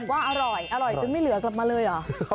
ว่าอร่อยอร่อยจึงไม่เหลือกลับมาเลยเหรอ